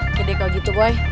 oke deh kalau gitu boy